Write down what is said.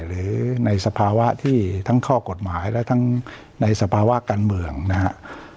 หรือในสภาวะที่ทั้งข้อกฎหมายและทั้งในสภาวะการเมืองนะครับ